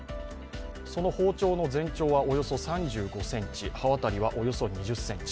その包丁の全長はおよそ３５ｃｍ刃渡りはおよそ２０ｃｍ。